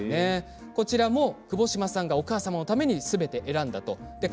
こちらも、くぼしまさんがお母様のためにすべて選んだということです。